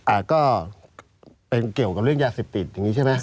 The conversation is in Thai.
อ่าก็เป็นเกี่ยวกับเรื่องยาเสพติดอย่างนี้ใช่ไหม